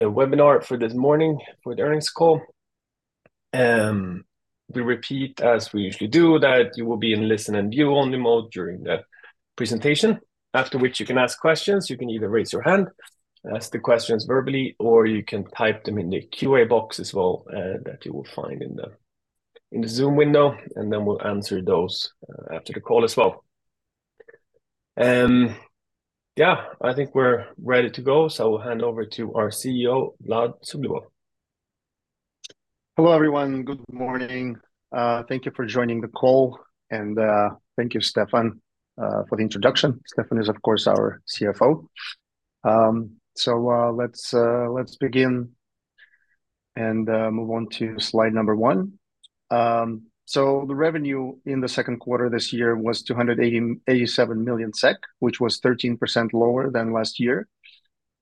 The webinar for this morning for the earnings call. We repeat, as we usually do, that you will be in listen and view-only mode during the presentation, after which you can ask questions. You can either raise your hand, ask the questions verbally, or you can type them in the QA box as well, that you will find in the, in the Zoom window, and then we'll answer those, after the call as well. Yeah, I think we're ready to go, so I will hand over to our CEO, Vlad Suglobov. Hello, everyone. Good morning. Thank you for joining the call, and thank you, Stefan, for the introduction. Stefan is, of course, our CFO. Let's begin and move on to slide number 1. The revenue in the second quarter this year was 287 million SEK, which was 13% lower than last year.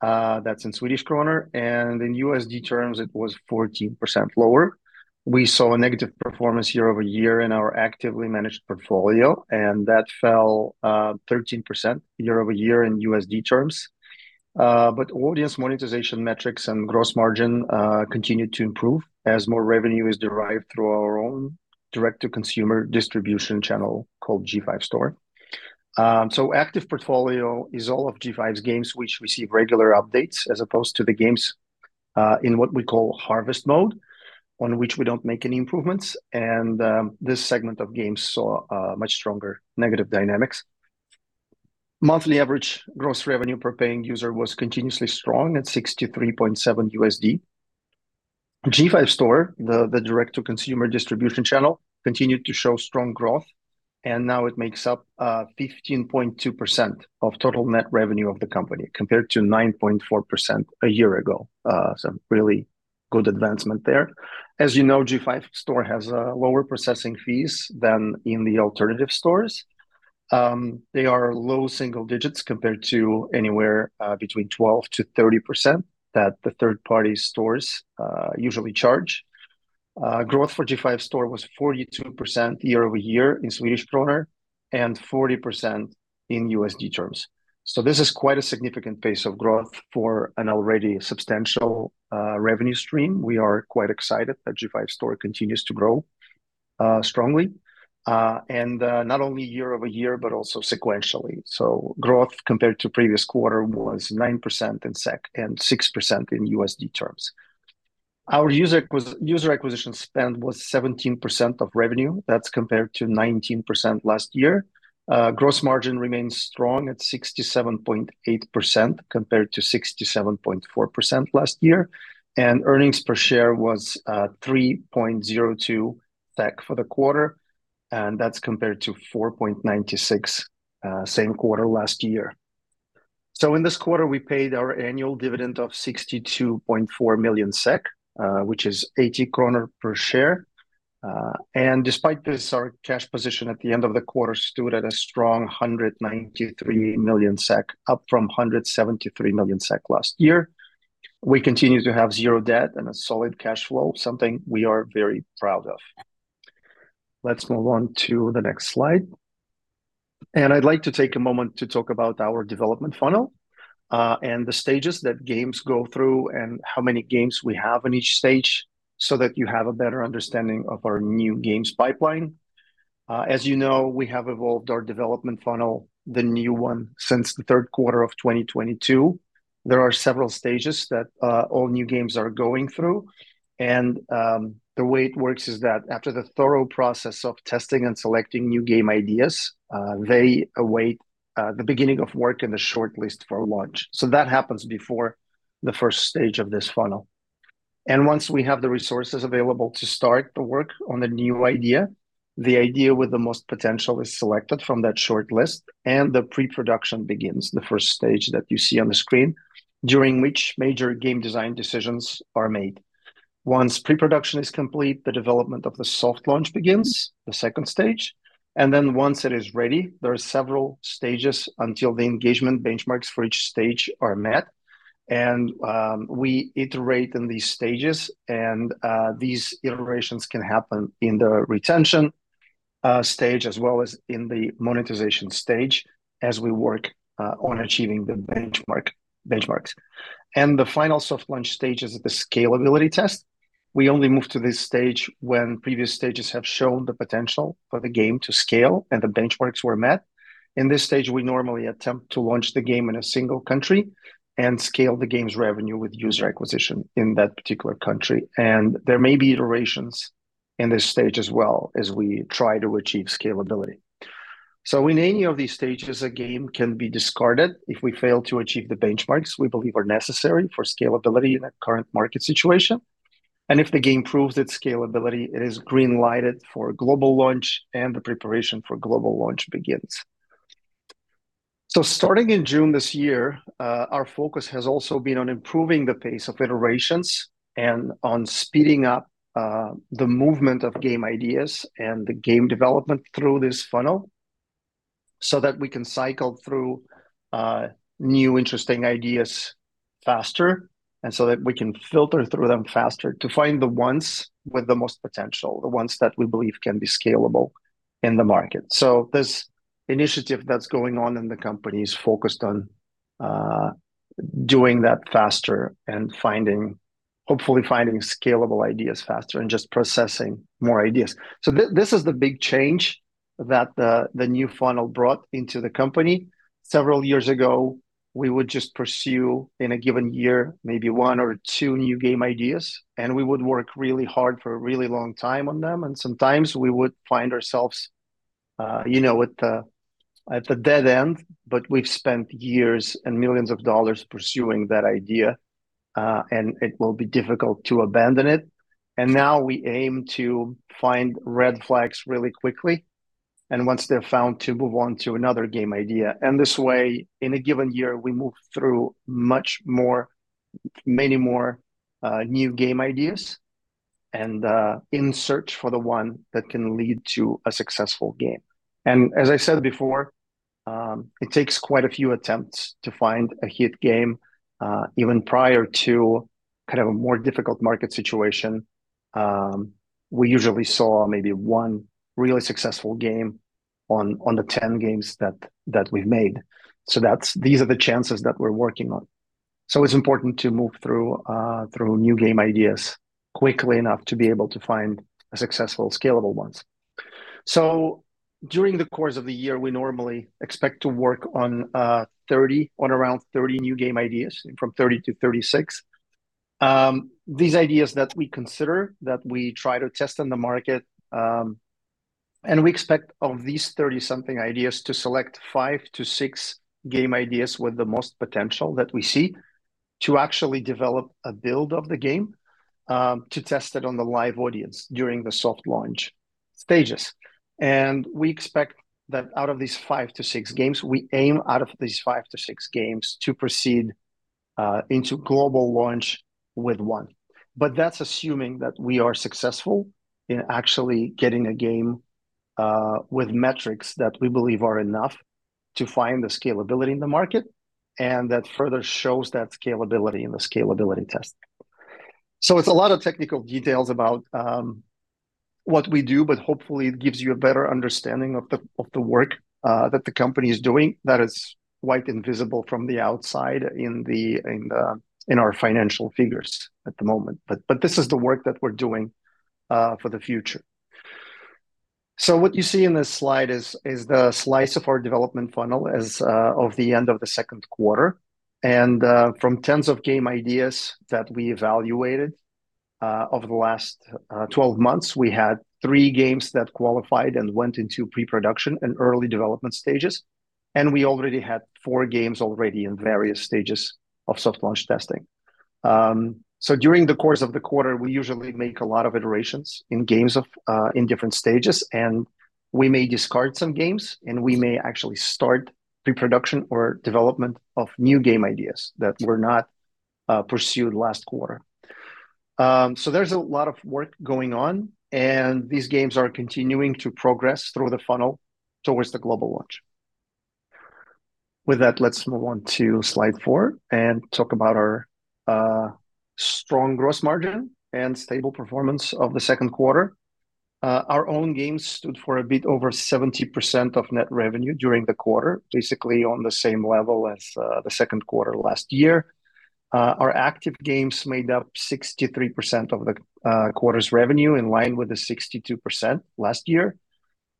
That's in Swedish krona, and in USD terms, it was 14% lower. We saw a negative performance year-over-year in our actively managed portfolio, and that fell 13% year-over-year in USD terms. Audience monetization metrics and gross margin continued to improve as more revenue is derived through our own direct-to-consumer distribution channel called G5 Store. So active portfolio is all of G5's games which receive regular updates, as opposed to the games in what we call harvest mode, on which we don't make any improvements, and this segment of games saw much stronger negative dynamics. Monthly average gross revenue per paying user was continuously strong at $63.7. G5 Store, the direct-to-consumer distribution channel, continued to show strong growth, and now it makes up 15.2% of total net revenue of the company, compared to 9.4% a year ago. So really good advancement there. As you know, G5 Store has lower processing fees than in the alternative stores. They are low single digits, compared to anywhere between 12%-30% that the third-party stores usually charge. Growth for G5 Store was 42% year-over-year in Swedish krona and 40% in USD terms. So this is quite a significant pace of growth for an already substantial revenue stream. We are quite excited that G5 Store continues to grow strongly and not only year-over-year, but also sequentially. So growth compared to previous quarter was 9% in SEK and 6% in USD terms. Our user acquisition spend was 17% of revenue. That's compared to 19% last year. Gross margin remains strong at 67.8%, compared to 67.4% last year, and earnings per share was 3.02 SEK for the quarter, and that's compared to 4.96 SEK, same quarter last year. So in this quarter, we paid our annual dividend of 62.4 million SEK, which is 80 krona per share. And despite this, our cash position at the end of the quarter stood at a strong 193 million SEK, up from 173 million SEK last year. We continue to have 0 debt and a solid cash flow, something we are very proud of. Let's move on to the next slide. I'd like to take a moment to talk about our development funnel, and the stages that games go through and how many games we have in each stage, so that you have a better understanding of our new games pipeline. As you know, we have evolved our development funnel, the new one, since the third quarter of 2022. There are several stages that all new games are going through, and the way it works is that after the thorough process of testing and selecting new game ideas, they await the beginning of work in the shortlist for launch. So that happens before the first stage of this funnel. And once we have the resources available to start the work on a new idea, the idea with the most potential is selected from that shortlist, and the pre-production begins, the first stage that you see on the screen, during which major game design decisions are made. Once pre-production is complete, the development of the soft launch begins, the second stage, and then once it is ready, there are several stages until the engagement benchmarks for each stage are met. We iterate in these stages, and these iterations can happen in the retention stage, as well as in the monetization stage as we work on achieving the benchmarks. The final soft launch stage is the scalability test. We only move to this stage when previous stages have shown the potential for the game to scale and the benchmarks were met. In this stage, we normally attempt to launch the game in a single country and scale the game's revenue with user acquisition in that particular country, and there may be iterations in this stage as well as we try to achieve scalability. In any of these stages, a game can be discarded if we fail to achieve the benchmarks we believe are necessary for scalability in the current market situation. If the game proves its scalability, it is green-lighted for global launch, and the preparation for global launch begins. Starting in June this year, our focus has also been on improving the pace of iterations and on speeding up the movement of game ideas and the game development through this funnel so that we can cycle through new, interesting ideas faster, and so that we can filter through them faster to find the ones with the most potential, the ones that we believe can be scalable... in the market. This initiative that's going on in the company is focused on doing that faster and hopefully finding scalable ideas faster and just processing more ideas. This is the big change that the new funnel brought into the company. Several years ago, we would just pursue, in a given year, maybe one or two new game ideas, and we would work really hard for a really long time on them, and sometimes we would find ourselves, you know, at a dead end, but we've spent years and millions of dollars pursuing that idea, and it will be difficult to abandon it. Now we aim to find red flags really quickly, and once they're found, to move on to another game idea. This way, in a given year, we move through much more, many more, new game ideas and, in search for the one that can lead to a successful game. As I said before, it takes quite a few attempts to find a hit game. Even prior to kind of a more difficult market situation, we usually saw maybe one really successful game on the 10 games that we've made. So that's... These are the chances that we're working on. So it's important to move through new game ideas quickly enough to be able to find successful scalable ones. So during the course of the year, we normally expect to work on around 30 new game ideas, from 30 to 36. These ideas that we consider, that we try to test on the market, and we expect of these 30-something ideas to select five to six game ideas with the most potential that we see, to actually develop a build of the game, to test it on the live audience during the soft launch stages. We expect that out of these 5-6 games, we aim out of these 5-6 games to proceed into global launch with one. But that's assuming that we are successful in actually getting a game with metrics that we believe are enough to find the scalability in the market, and that further shows that scalability in the scalability test. So it's a lot of technical details about what we do, but hopefully it gives you a better understanding of the work that the company is doing that is quite invisible from the outside in our financial figures at the moment. But this is the work that we're doing for the future. So what you see in this slide is the slice of our development funnel as of the end of the second quarter, and from tens of game ideas that we evaluated over the last 12 months, we had 3 games that qualified and went into pre-production and early development stages, and we already had 4 games in various stages of soft launch testing. So during the course of the quarter, we usually make a lot of iterations in games of in different stages, and we may discard some games, and we may actually start pre-production or development of new game ideas that were not pursued last quarter. So there's a lot of work going on, and these games are continuing to progress through the funnel towards the global launch. With that, let's move on to slide 4 and talk about our strong gross margin and stable performance of the second quarter. Our own games stood for a bit over 70% of net revenue during the quarter, basically on the same level as the second quarter last year. Our active games made up 63% of the quarter's revenue, in line with the 62% last year.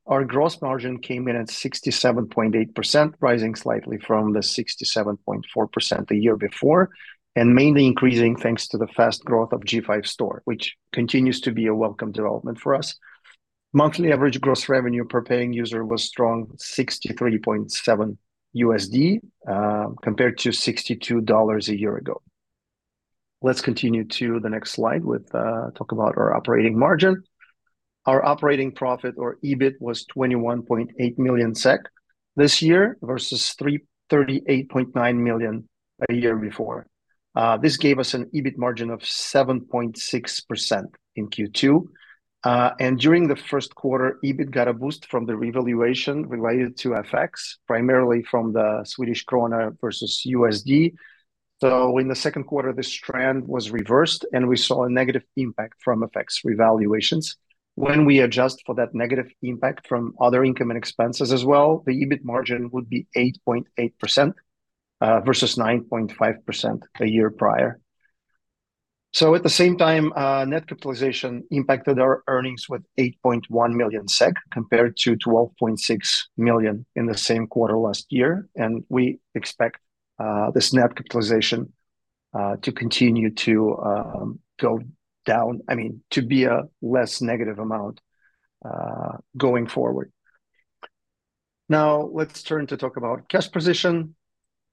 Our gross margin came in at 67.8%, rising slightly from the 67.4% the year before, and mainly increasing thanks to the fast growth of G5 Store, which continues to be a welcome development for us. Monthly average gross revenue per paying user was strong, $63.7, compared to $62 a year ago. Let's continue to the next slide with talk about our operating margin. Our operating profit or EBIT was 21.8 million SEK this year versus 338.9 million a year before. This gave us an EBIT margin of 7.6% in Q2. And during the first quarter, EBIT got a boost from the revaluation related to FX, primarily from the Swedish krona versus USD. So in the second quarter, this trend was reversed, and we saw a negative impact from FX revaluations. When we adjust for that negative impact from other income and expenses as well, the EBIT margin would be 8.8%, versus 9.5% the year prior. So at the same time, net capitalization impacted our earnings with 8.1 million SEK, compared to 12.6 million in the same quarter last year, and we expect, this net capitalization, to continue to, go down- I mean, to be a less negative amount, going forward. Now, let's turn to talk about cash position.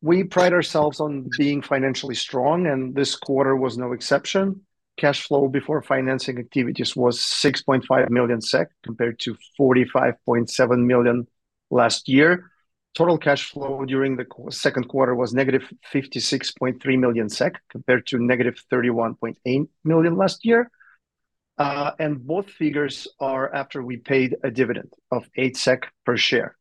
We pride ourselves on being financially strong, and this quarter was no exception. Cash flow before financing activities was 6.5 million SEK, compared to 45.7 million last year. Total cash flow during the second quarter was negative 56.3 million SEK, compared to negative 31.8 million last year. And both figures are after we paid a dividend of 8 SEK per share.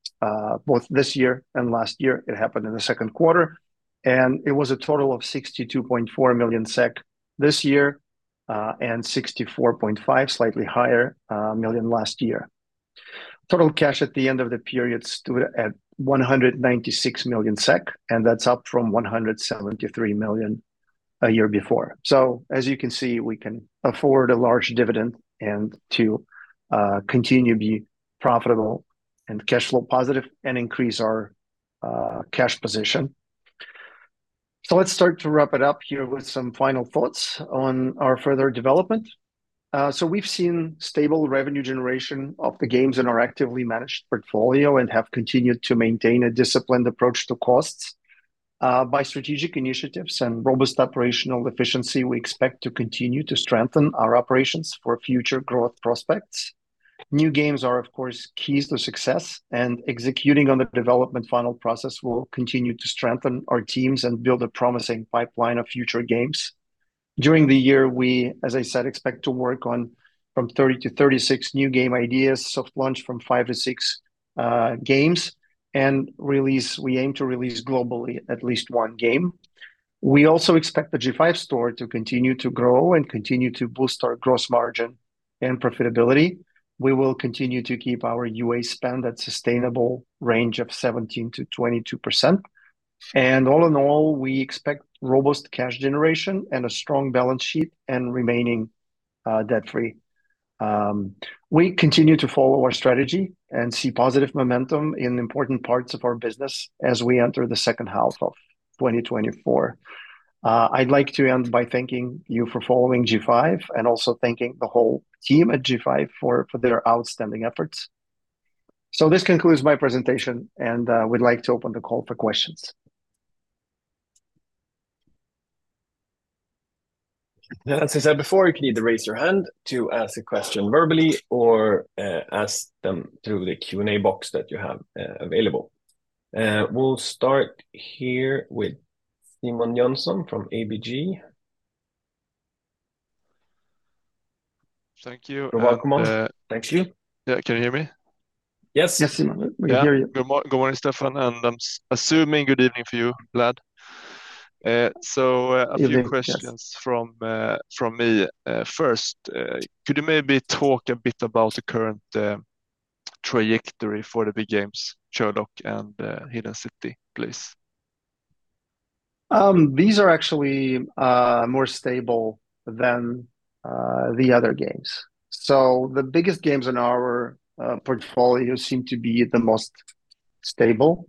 Both this year and last year, it happened in the second quarter, and it was a total of 62.4 million SEK this year and 64.5 million, slightly higher, last year. Total cash at the end of the period stood at 196 million SEK, and that's up from 173 million a year before. So as you can see, we can afford a large dividend and to continue to be profitable, and cash flow positive, and increase our cash position. So let's start to wrap it up here with some final thoughts on our further development. So we've seen stable revenue generation of the games in our actively managed portfolio and have continued to maintain a disciplined approach to costs. By strategic initiatives and robust operational efficiency, we expect to continue to strengthen our operations for future growth prospects. New games are, of course, keys to success, and executing on the development funnel process will continue to strengthen our teams and build a promising pipeline of future games. During the year, we, as I said, expect to work on 30-36 new game ideas, soft launch 5-6 games, and we aim to release globally at least 1 game. We also expect the G5 Store to continue to grow and continue to boost our gross margin and profitability. We will continue to keep our UA spend at sustainable range of 17%-22%. And all in all, we expect robust cash generation, and a strong balance sheet, and remaining debt-free. We continue to follow our strategy and see positive momentum in important parts of our business as we enter the second half of 2024. I'd like to end by thanking you for following G5, and also thanking the whole team at G5 for their outstanding efforts. This concludes my presentation, and we'd like to open the call for questions. As I said before, you can either raise your hand to ask a question verbally or ask them through the Q&A box that you have available. We'll start here with Simon Jönsson from ABG. Thank you. Thanks you. Yeah, can you hear me? Yes. Yes, Simon, we can hear you. Yeah. Good morning, Stefan, and I'm assuming good evening for you, Vlad. So- Evening, yes... a few questions from me. First, could you maybe talk a bit about the current trajectory for the big games, Sherlock and Hidden City, please? These are actually more stable than the other games. So the biggest games in our portfolio seem to be the most stable,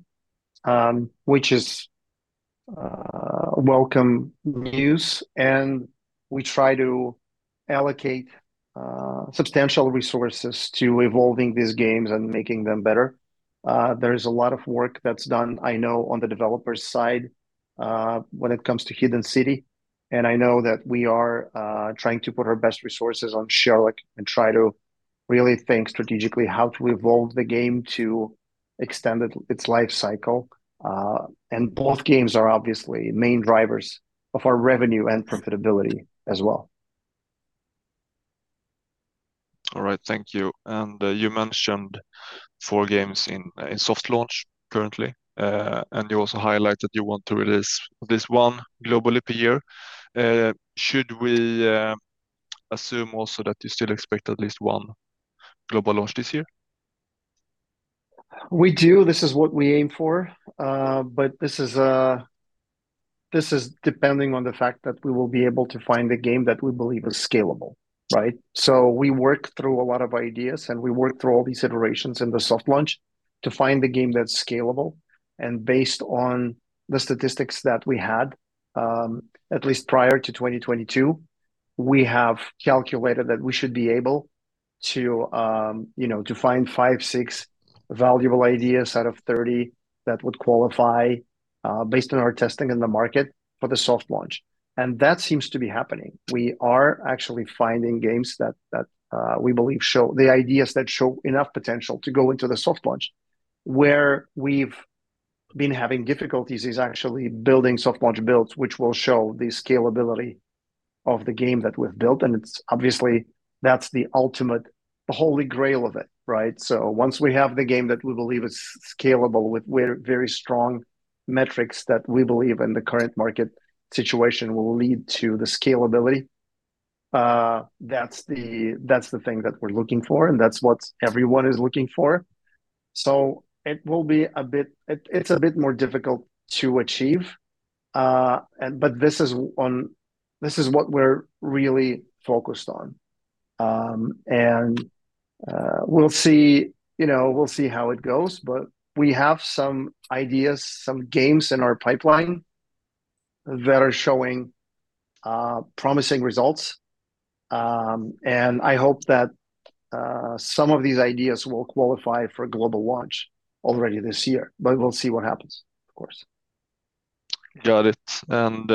which is welcome news, and we try to allocate substantial resources to evolving these games and making them better. There is a lot of work that's done, I know, on the developers' side, when it comes to Hidden City, and I know that we are trying to put our best resources on Sherlock and try to really think strategically how to evolve the game to extend its life cycle. And both games are obviously main drivers of our revenue and profitability as well. All right, thank you. And, you mentioned four games in soft launch currently, and you also highlighted you want to release this one globally per year. Should we assume also that you still expect at least one global launch this year? We do. This is what we aim for. But this is depending on the fact that we will be able to find a game that we believe is scalable, right? So we work through a lot of ideas, and we work through all these iterations in the soft launch to find the game that's scalable. And based on the statistics that we had, at least prior to 2022, we have calculated that we should be able to, you know, to find 5-6 valuable ideas out of 30 that would qualify, based on our testing in the market for the soft launch, and that seems to be happening. We are actually finding games that, we believe show the ideas, that show enough potential to go into the soft launch. Where we've been having difficulties is actually building soft launch builds, which will show the scalability of the game that we've built, and it's obviously... That's the ultimate, the holy grail of it, right? So once we have the game that we believe is scalable with very strong metrics that we believe in the current market situation will lead to the scalability, that's the, that's the thing that we're looking for, and that's what everyone is looking for. So it will be a bit- it's a bit more difficult to achieve, and this is what we're really focused on. We'll see, you know, we'll see how it goes, but we have some ideas, some games in our pipeline that are showing promising results. I hope that some of these ideas will qualify for global launch already this year, but we'll see what happens, of course. Got it. And,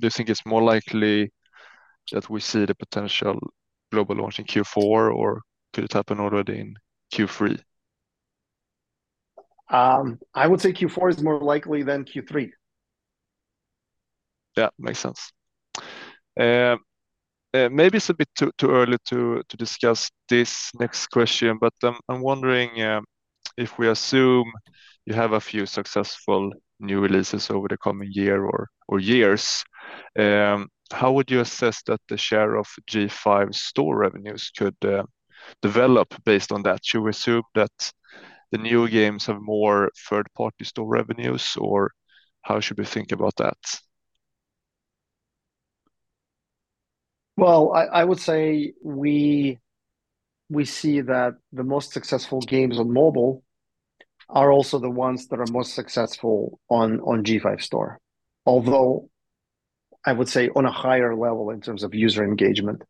do you think it's more likely that we see the potential global launch in Q4, or could it happen already in Q3? I would say Q4 is more likely than Q3. Yeah, makes sense. Maybe it's a bit too early to discuss this next question, but, I'm wondering if we assume you have a few successful new releases over the coming year or years, how would you assess that the share of G5 Store revenues could develop based on that? Should we assume that the new games have more third-party store revenues, or how should we think about that? Well, I would say we see that the most successful games on mobile are also the ones that are most successful on G5 Store. Although, I would say on a higher level in terms of user engagement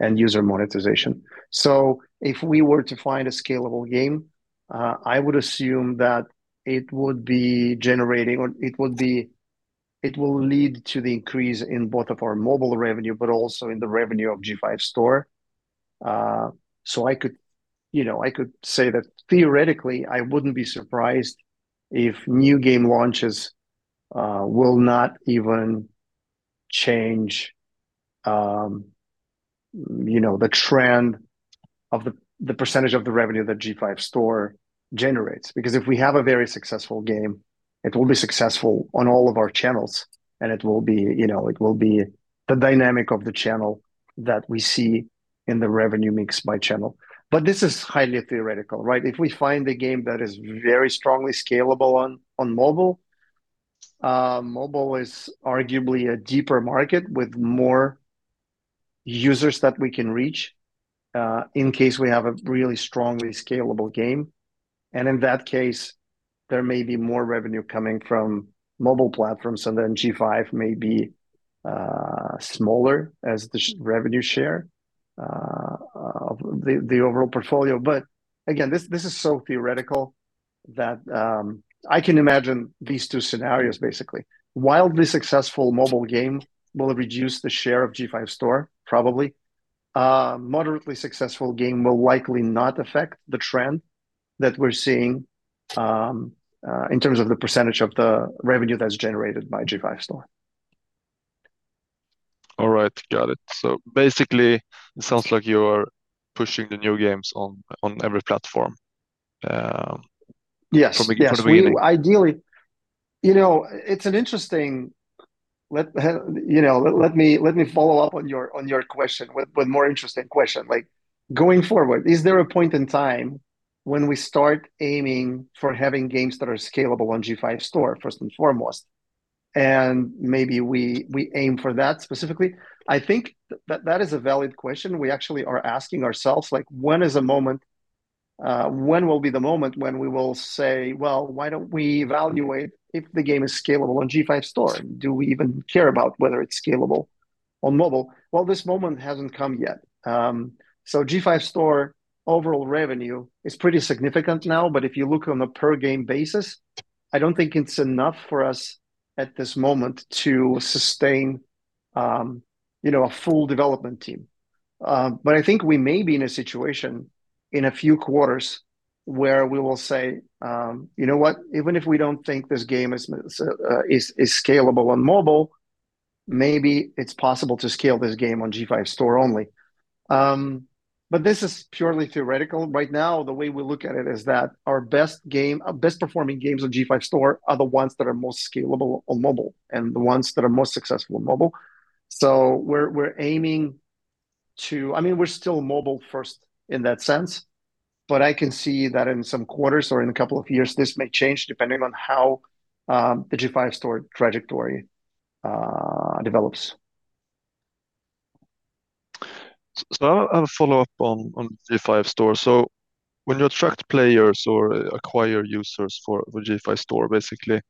and user monetization. So if we were to find a scalable game, I would assume that it will lead to the increase in both of our mobile revenue, but also in the revenue of G5 Store. So I could, you know, say that theoretically I wouldn't be surprised if new game launches will not even change the trend of the percentage of the revenue that G5 Store generates. Because if we have a very successful game, it will be successful on all of our channels, and it will be, you know, it will be the dynamic of the channel that we see in the revenue mix by channel. But this is highly theoretical, right? If we find a game that is very strongly scalable on mobile, mobile is arguably a deeper market with more users that we can reach in case we have a really strongly scalable game. And in that case, there may be more revenue coming from mobile platforms, and then G5 may be smaller as the revenue share of the overall portfolio. But again, this is so theoretical that I can imagine these two scenarios, basically. Wildly successful mobile game will reduce the share of G5 Store, probably. Moderately successful game will likely not affect the trend that we're seeing, in terms of the percentage of the revenue that's generated by G5 Store. All right. Got it. So basically, it sounds like you're pushing the new games on every platform. Yes From the beginning. Yes, we ideally... You know, it's an interesting. Let me follow up on your question with a more interesting question. Like, going forward, is there a point in time when we start aiming for having games that are scalable on G5 Store, first and foremost? And maybe we aim for that specifically. I think that that is a valid question we actually are asking ourselves, like, when is the moment when we will say, "Well, why don't we evaluate if the game is scalable on G5 Store? Do we even care about whether it's scalable on mobile?" Well, this moment hasn't come yet. So G5 Store overall revenue is pretty significant now, but if you look on a per game basis, I don't think it's enough for us at this moment to sustain, you know, a full development team. But I think we may be in a situation in a few quarters where we will say, "You know what? Even if we don't think this game is scalable on mobile, maybe it's possible to scale this game on G5 Store only." But this is purely theoretical. Right now, the way we look at it is that our best game, our best performing games on G5 Store are the ones that are most scalable on mobile, and the ones that are most successful on mobile. So we're aiming to... I mean, we're still mobile first in that sense, but I can see that in some quarters or in a couple of years, this may change, depending on how the G5 Store trajectory develops. So I'll follow up on G5 Store. So when you attract players or acquire users for the G5 Store, basically,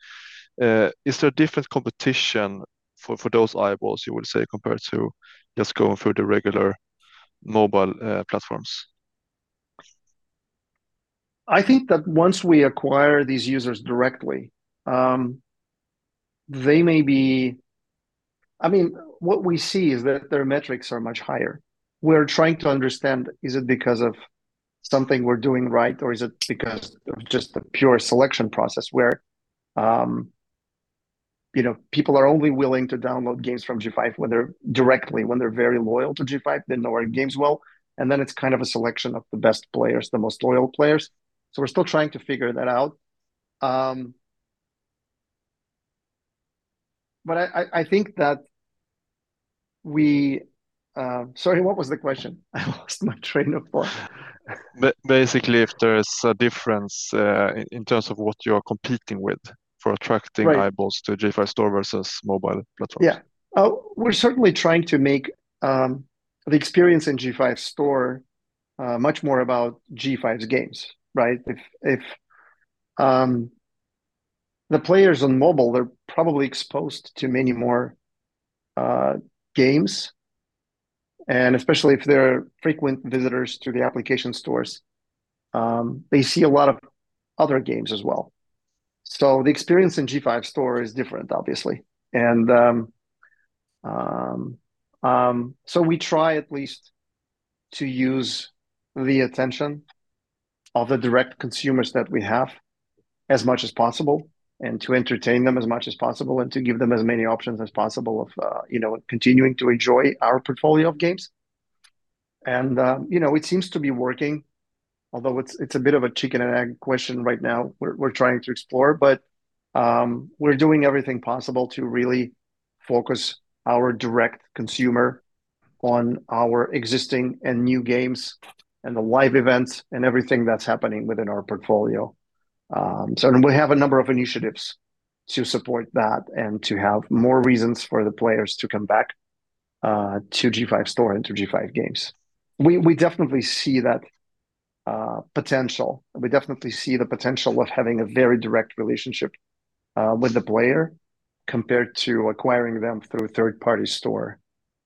is there a different competition for those eyeballs, you would say, compared to just going through the regular mobile platforms? I think that once we acquire these users directly, they may be... I mean, what we see is that their metrics are much higher. We're trying to understand, is it because of something we're doing right, or is it because of just the pure selection process, where, you know, people are only willing to download games from G5 when they're directly, when they're very loyal to G5, they know our games well, and then it's kind of a selection of the best players, the most loyal players. So we're still trying to figure that out. But I think that we... Sorry, what was the question? I lost my train of thought. Basically, if there is a difference in terms of what you're competing with for attracting- Right Eyeballs to G5 Store versus mobile platforms. Yeah. We're certainly trying to make the experience in G5 Store much more about G5's games, right? If the players on mobile, they're probably exposed to many more games, and especially if they're frequent visitors to the application stores, they see a lot of other games as well. So the experience in G5 Store is different, obviously, and so we try at least to use the attention of the direct consumers that we have as much as possible, and to entertain them as much as possible, and to give them as many options as possible of you know, continuing to enjoy our portfolio of games... and you know, it seems to be working, although it's a bit of a chicken and egg question right now we're trying to explore. But, we're doing everything possible to really focus our direct consumer on our existing and new games, and the live events, and everything that's happening within our portfolio. So and we have a number of initiatives to support that, and to have more reasons for the players to come back, to G5 Store and to G5 games. We definitely see that potential. We definitely see the potential of having a very direct relationship with the player, compared to acquiring them through a third-party store,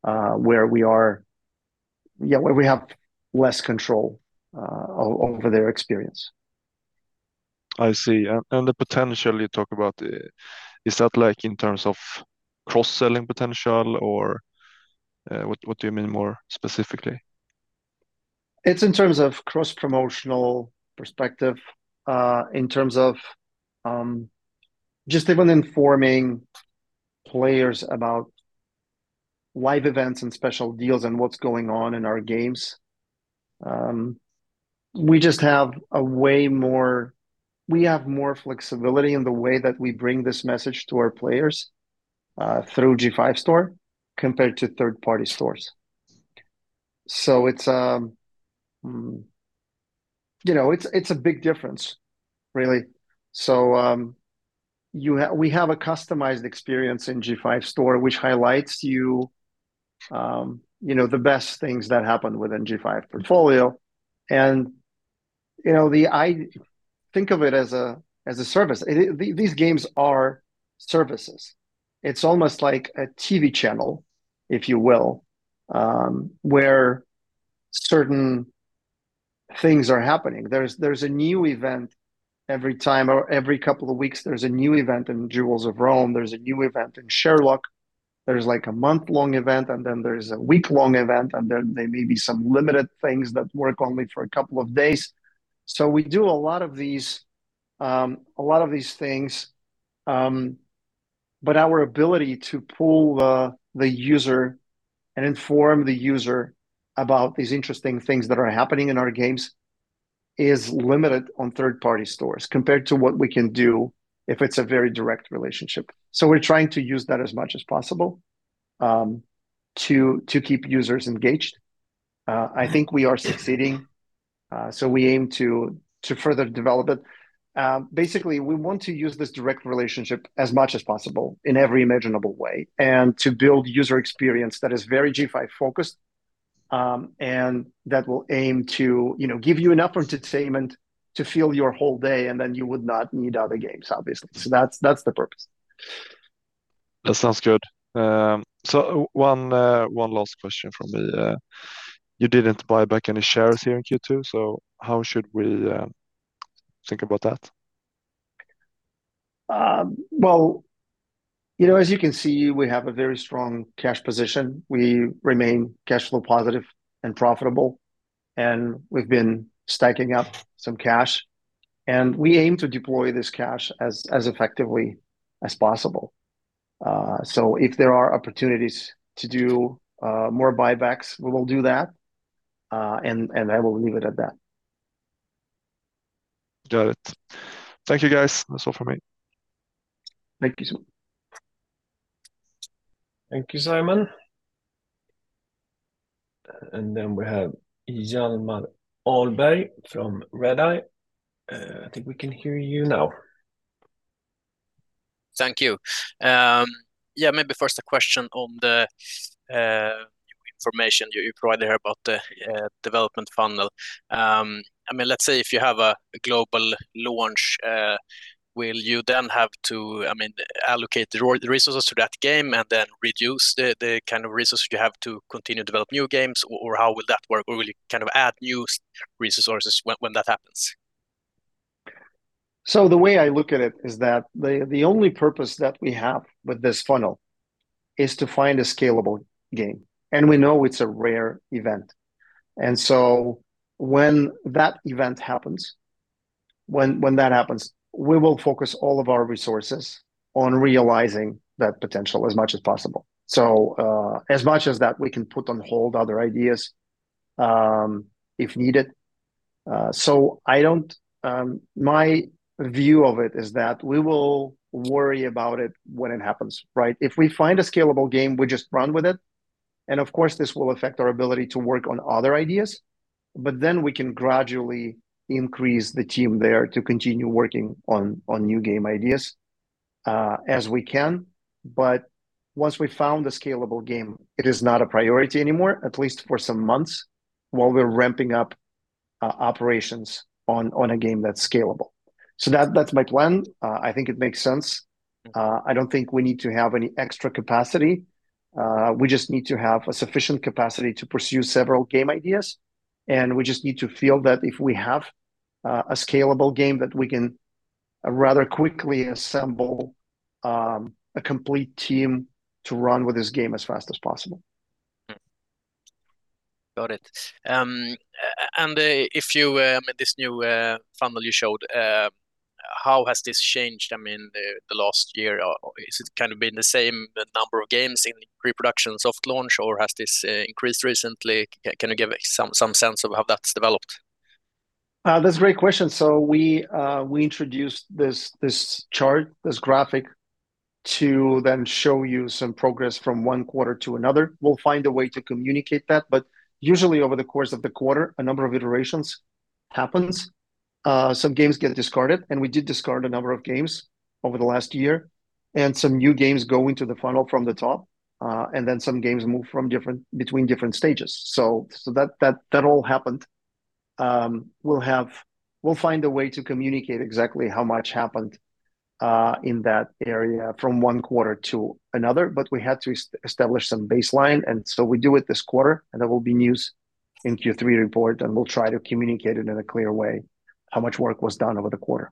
where we have less control over their experience. I see. And the potential you talk about, is that, like, in terms of cross-selling potential, or, what do you mean more specifically? It's in terms of cross-promotional perspective, in terms of, just even informing players about live events and special deals and what's going on in our games. We just have a way more- we have more flexibility in the way that we bring this message to our players, through G5 Store compared to third-party stores. So it's, you know, it's, it's a big difference, really. So, we have a customized experience in G5 Store, which highlights you, you know, the best things that happen within G5 portfolio. And, you know, think of it as a, as a service. These games are services. It's almost like a TV channel, if you will, where certain things are happening. There's a new event every time, or every couple of weeks there's a new event in Jewels of Rome. There's a new event in Sherlock. There's, like, a month-long event, and then there's a week-long event, and there may be some limited things that work only for a couple of days. So we do a lot of these, a lot of these things. But our ability to pull the user and inform the user about these interesting things that are happening in our games is limited on third-party stores, compared to what we can do if it's a very direct relationship. So we're trying to use that as much as possible to keep users engaged. I think we are succeeding, so we aim to further develop it. Basically, we want to use this direct relationship as much as possible in every imaginable way, and to build user experience that is very G5-focused, and that will aim to, you know, give you enough entertainment to fill your whole day, and then you would not need other games, obviously. So that's the purpose. That sounds good. So one last question from me. You didn't buy back any shares here in Q2, so how should we think about that? Well, you know, as you can see, we have a very strong cash position. We remain cash flow positive and profitable, and we've been stacking up some cash, and we aim to deploy this cash as effectively as possible. So if there are opportunities to do more buybacks, we will do that, and I will leave it at that. Got it. Thank you, guys. That's all from me. Thank you, sir. Thank you, Simon. And then we have Hjalmar Ahlberg from Redeye. I think we can hear you now. Thank you. Yeah, maybe first a question on the information you provided here about the development funnel. I mean, let's say if you have a global launch, will you then have to allocate the resources to that game and then reduce the kind of resources you have to continue to develop new games, or how will that work? Or will you kind of add new resources when that happens? So the way I look at it is that the only purpose that we have with this funnel is to find a scalable game, and we know it's a rare event. So when that event happens, when that happens, we will focus all of our resources on realizing that potential as much as possible. So, as much as that, we can put on hold other ideas, if needed. So I don't... My view of it is that we will worry about it when it happens, right? If we find a scalable game, we just run with it, and of course, this will affect our ability to work on other ideas, but then we can gradually increase the team there to continue working on new game ideas, as we can. But once we've found the scalable game, it is not a priority anymore, at least for some months, while we're ramping up operations on a game that's scalable. So that's my plan. I think it makes sense. I don't think we need to have any extra capacity. We just need to have a sufficient capacity to pursue several game ideas, and we just need to feel that if we have a scalable game, that we can rather quickly assemble a complete team to run with this game as fast as possible. Mm. Got it. And if you this new funnel you showed, how has this changed, I mean, the last year? Or is it kind of been the same number of games in pre-production soft launch, or has this increased recently? Can you give some sense of how that's developed? That's a great question. So we, we introduced this, this chart, this graphic, to then show you some progress from one quarter to another. We'll find a way to communicate that, but usually over the course of the quarter, a number of iterations happens. Some games get discarded, and we did discard a number of games over the last year, and some new games go into the funnel from the top. And then some games move from different between different stages. So that all happened. We'll have... We'll find a way to communicate exactly how much happened in that area from one quarter to another, but we had to establish some baseline, and so we do it this quarter, and there will be news in Q3 report, and we'll try to communicate it in a clear way, how much work was done over the quarter.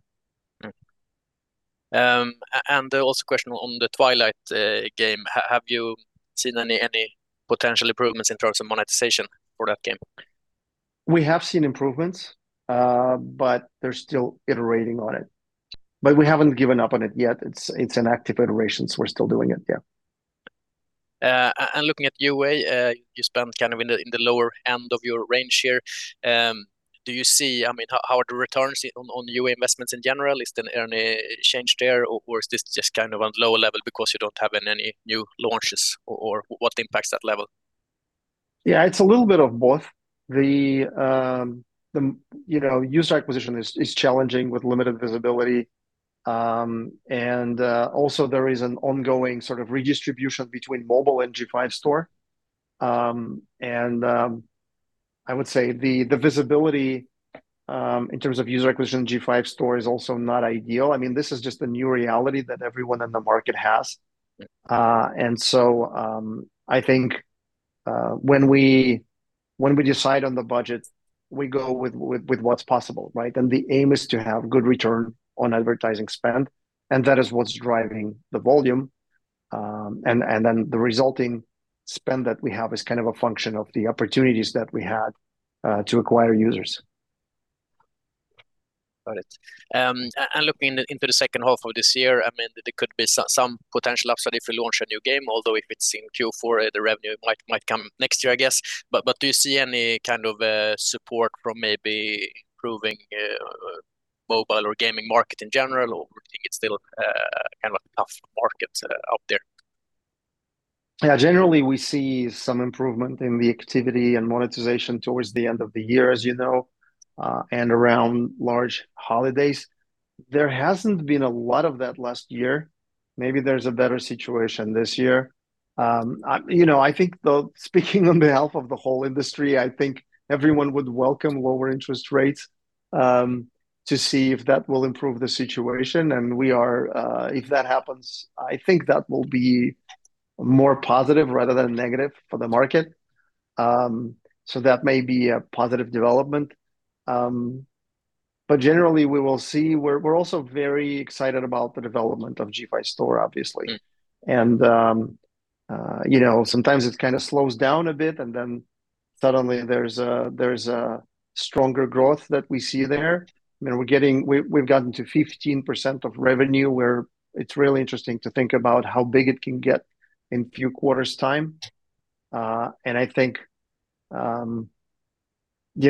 And also a question on the Twilight game. Have you seen any potential improvements in terms of monetization for that game? We have seen improvements, but they're still iterating on it. But we haven't given up on it yet. It's an active iteration, so we're still doing it. Yeah. Looking at UA, you spent kind of in the lower end of your range here. I mean, how are the returns on UA investments in general? Is there any change there, or is this just kind of on lower level because you don't have any new launches or what impacts that level? Yeah, it's a little bit of both. The, the, you know, user acquisition is challenging with limited visibility. And also there is an ongoing sort of redistribution between mobile and G5 Store. And I would say the visibility in terms of user acquisition in G5 Store is also not ideal. I mean, this is just the new reality that everyone in the market has. And so I think when we decide on the budget, we go with what's possible, right? And the aim is to have good return on advertising spend, and that is what's driving the volume. And then the resulting spend that we have is kind of a function of the opportunities that we had to acquire users. Got it. And looking into the second half of this year, I mean, there could be some potential upside if we launch a new game, although if it's in Q4, the revenue might come next year, I guess. But do you see any kind of support from maybe improving mobile or gaming market in general, or do you think it's still kind of a tough market out there? Yeah, generally we see some improvement in the activity and monetization towards the end of the year, as you know, and around large holidays. There hasn't been a lot of that last year. Maybe there's a better situation this year. You know, I think, though, speaking on behalf of the whole industry, I think everyone would welcome lower interest rates to see if that will improve the situation, and we are. If that happens, I think that will be more positive rather than negative for the market. So that may be a positive development. But generally we will see. We're also very excited about the development of G5 Store, obviously. And, you know, sometimes it kind of slows down a bit, and then suddenly there's a stronger growth that we see there. I mean, we've gotten to 15% of revenue, where it's really interesting to think about how big it can get in few quarters' time. And I think, you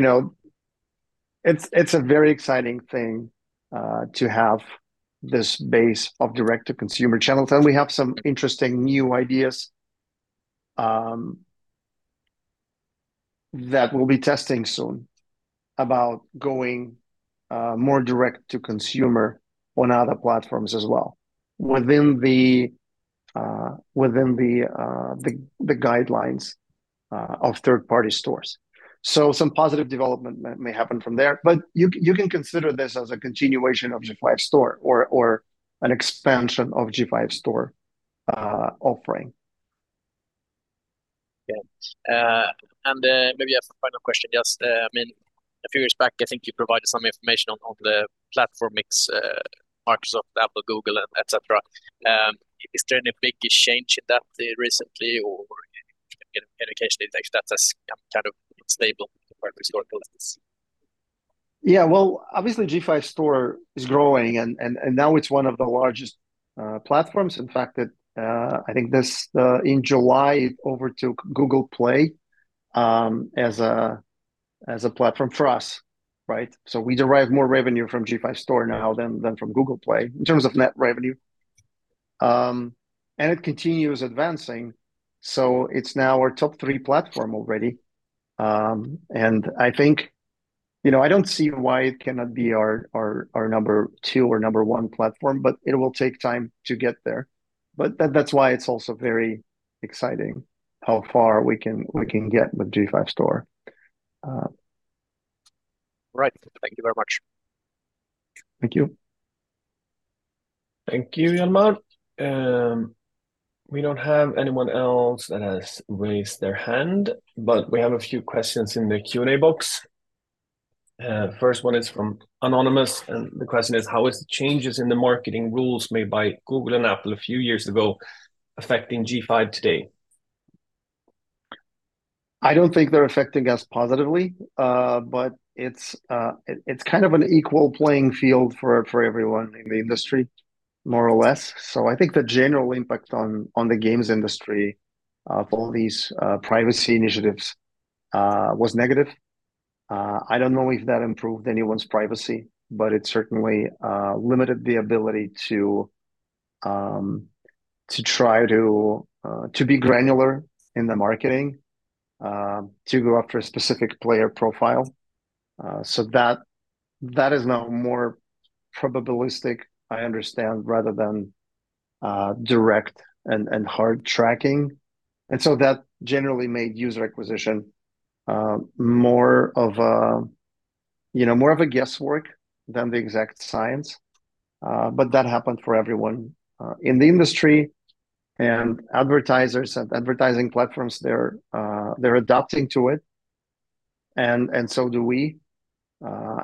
know, it's, it's a very exciting thing, to have this base of direct-to-consumer channels, and we have some interesting new ideas, that we'll be testing soon about going, more direct to consumer on other platforms as well, within the, within the, the, the guidelines, of third-party stores. So some positive development may, may happen from there, but you, you can consider this as a continuation of G5 Store or, or an expansion of G5 Store, offering. Yeah. And maybe I have a final question. Just, I mean, a few years back, I think you provided some information on, on the platform mix, Microsoft, Apple, Google, et cetera. Is there any big change in that recently, or any indication that that's kind of stable where we saw this? Yeah, well, obviously, G5 Store is growing, and now it's one of the largest platforms. In fact, I think in July, it overtook Google Play as a platform for us, right? So we derive more revenue from G5 Store now than from Google Play in terms of net revenue. And it continues advancing, so it's now our top three platform already. And I think... You know, I don't see why it cannot be our number 2 or number 1 platform, but it will take time to get there. But that's why it's also very exciting how far we can get with G5 Store. Right. Thank you very much. Thank you. Thank you, Hjalmar. We don't have anyone else that has raised their hand, but we have a few questions in the Q&A box. First one is from Anonymous, and the question is: How is the changes in the marketing rules made by Google and Apple a few years ago affecting G5 today? I don't think they're affecting us positively, but it's kind of an equal playing field for everyone in the industry, more or less. So I think the general impact on the games industry for these privacy initiatives was negative. I don't know if that improved anyone's privacy, but it certainly limited the ability to try to be granular in the marketing to go after a specific player profile. So that is now more probabilistic, I understand, rather than direct and hard tracking. And so that generally made user acquisition more of a, you know, guesswork than the exact science. But that happened for everyone in the industry, and advertisers and advertising platforms, they're adapting to it, and so do we.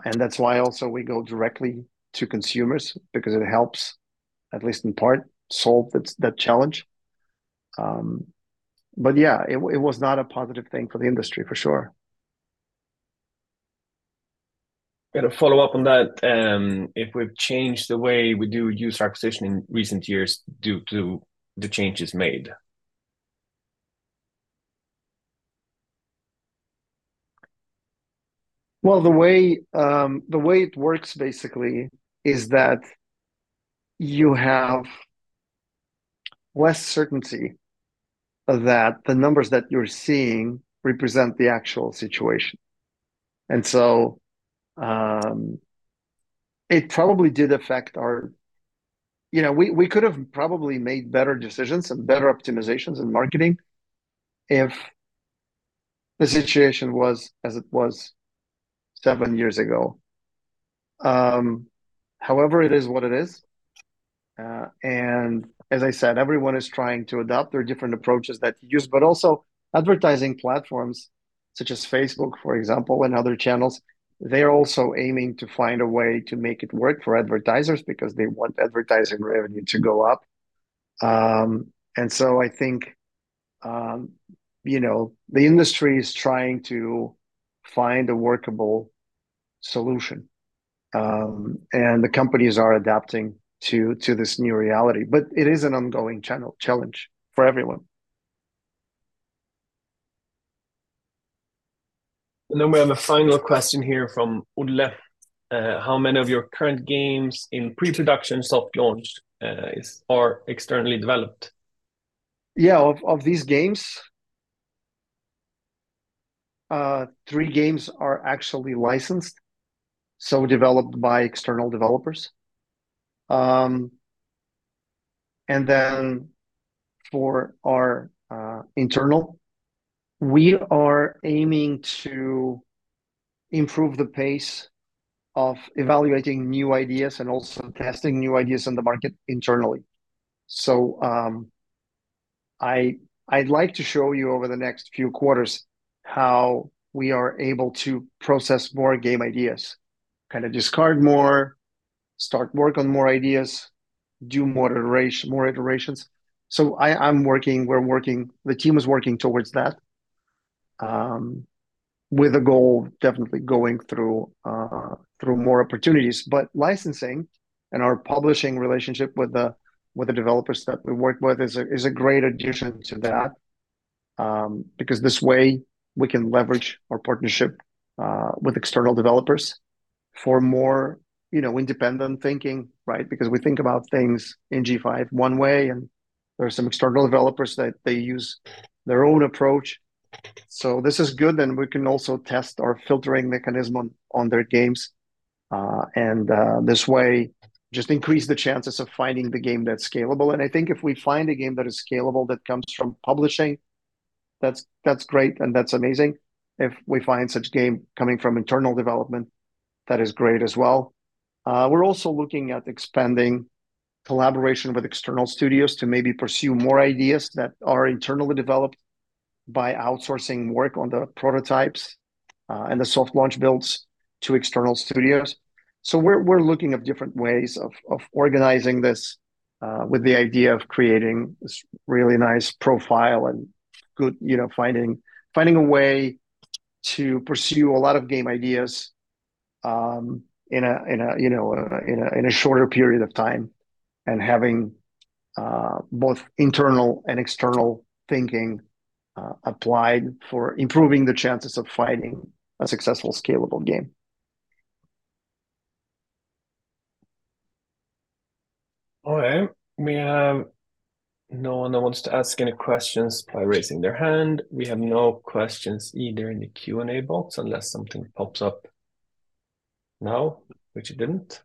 And that's why also we go directly to consumers because it helps, at least in part, solve that, that challenge. But yeah, it was not a positive thing for the industry, for sure. Got a follow-up on that. If we've changed the way we do user acquisition in recent years due to the changes made? Well, the way, the way it works basically is that you have less certainty that the numbers that you're seeing represent the actual situation. And so, it probably did affect our... You know, we, we could have probably made better decisions and better optimizations in marketing if the situation was as it was seven years ago. However, it is what it is. And as I said, everyone is trying to adopt their different approaches that you use, but also advertising platforms such as Facebook, for example, and other channels, they're also aiming to find a way to make it work for advertisers because they want advertising revenue to go up. And so I think, you know, the industry is trying to find a workable solution, and the companies are adapting to this new reality, but it is an ongoing channel challenge for everyone. Then we have a final question here from Ole. "How many of your current games in pre-production, soft launch, are externally developed? Yeah, of these games, three games are actually licensed, so developed by external developers. And then for our internal, we are aiming to improve the pace of evaluating new ideas and also testing new ideas on the market internally. So, I'd like to show you over the next few quarters how we are able to process more game ideas, kind of discard more, start work on more ideas, do more iteration, more iterations. So I'm working, we're working, the team is working towards that, with a goal, definitely going through more opportunities. But licensing and our publishing relationship with the developers that we work with is a great addition to that, because this way we can leverage our partnership with external developers for more, you know, independent thinking, right? Because we think about things in G5 one way, and there are some external developers that they use their own approach. So this is good, and we can also test our filtering mechanism on their games, and this way just increase the chances of finding the game that's scalable. And I think if we find a game that is scalable, that comes from publishing, that's great, and that's amazing. If we find such game coming from internal development, that is great as well. We're also looking at expanding collaboration with external studios to maybe pursue more ideas that are internally developed by outsourcing work on the prototypes, and the soft launch builds to external studios. So we're looking at different ways of organizing this, with the idea of creating this really nice profile and good, you know, finding a way to pursue a lot of game ideas, in a shorter period of time, and having both internal and external thinking applied for improving the chances of finding a successful scalable game. All right. We have no one that wants to ask any questions by raising their hand. We have no questions either in the Q&A box, unless something pops up now, which it didn't.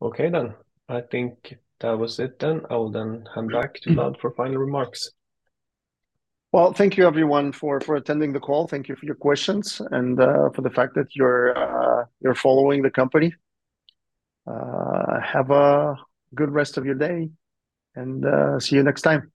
Okay then, I think that was it then. I will then hand back to Vlad for final remarks. Well, thank you everyone for attending the call. Thank you for your questions and for the fact that you're following the company. Have a good rest of your day, and see you next time.